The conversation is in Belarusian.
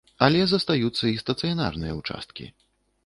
Але застаюцца і стацыянарныя ўчасткі.